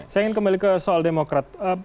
saya ingin kembali ke soal demokrat